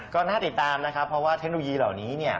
ก็น่าติดตามนะครับเพราะว่าเทคโนโลยีเหล่านี้เนี่ย